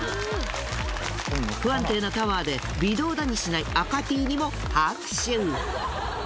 不安定なタワーで微動だにしない赤Ｔにも拍手。